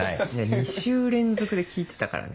２週連続で聞いてたからね。